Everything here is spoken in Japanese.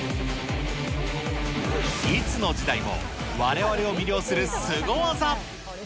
いつの時代もわれわれを魅了するスゴ技。